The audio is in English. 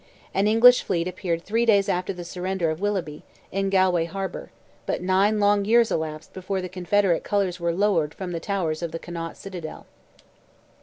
An English fleet appeared three days after the surrender of Willoughby, in Galway harbour; but nine long years elapsed before the Confederate colours were lowered from the towers of the Connaught citadel.